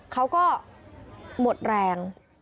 เขาก็หมดแรง